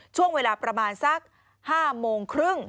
ช่วงเวลาประมาณสัก๕โมงครึ่ง